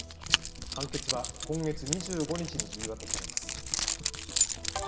判決は今月２５日に言い渡されます。